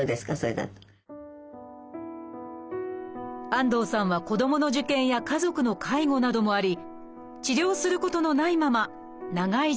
安藤さんは子どもの受験や家族の介護などもあり治療することのないまま長い時間が過ぎていきました